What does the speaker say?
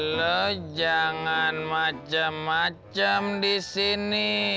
lo jangan macem macem disini